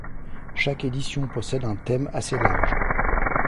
Chaque édition possède un thème assez large.